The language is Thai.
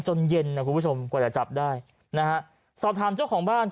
เย็นนะคุณผู้ชมกว่าจะจับได้นะฮะสอบถามเจ้าของบ้าน